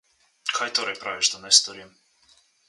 Kaj torej praviš, da naj storim?